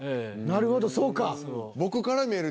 なるほどそうか。